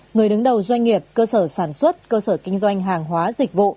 người đứng đầu doanh nghiệp cơ sở sản xuất cơ sở kinh doanh hàng hóa dịch vụ